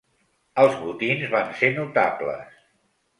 Els botins van ser notables.